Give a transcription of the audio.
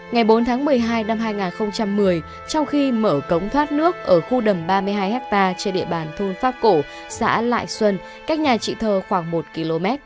ngày bốn tháng một mươi hai năm hai nghìn một mươi trong khi mở cống thoát nước ở khu đầm ba mươi hai ha trên địa bàn thôn pháp cổ xã lại xuân cách nhà chị thơ khoảng một km